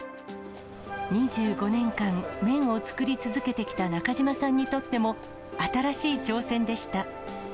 ２５年間、麺を作り続けてきた中島さんにとっても、新しい挑戦でした。